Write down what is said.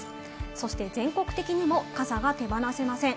そして全国的にも傘が手放せません。